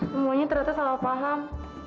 semuanya ternyata salah paham